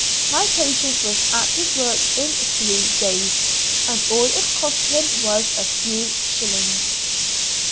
My patient was at his work in three days, and all it cost him was a few shillings!"